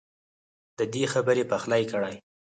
ددې خبر پخلی کړی